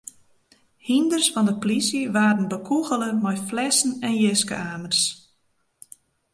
Hynders fan de polysje waarden bekûgele mei flessen en jiske-amers.